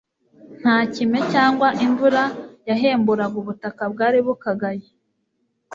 Nta kime cyangwa imvura yahemburaga ubutaka bwari bwukagaye